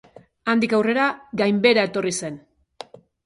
Handik aurrera, gainbehera etorri zen.